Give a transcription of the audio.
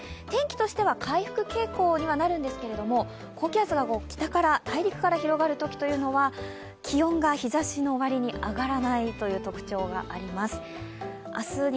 天気としては回復傾向にはなるんですけれども、高気圧が北から大陸から広がるときは気温が日ざしの割に上がらない特徴があります。